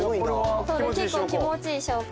これは気持ちいい証拠？